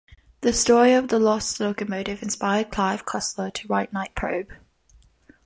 The story of the lost locomotive inspired Clive Cussler to write Night Probe!